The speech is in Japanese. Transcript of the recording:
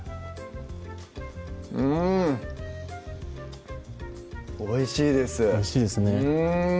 うんおいしいですおいしいですね